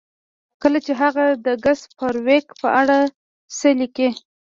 کله چې هغه د ګس فارویک په اړه څه لیکي